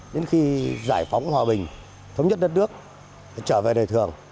đến khi giải phóng hòa bình thống nhất đất nước trở về đời thường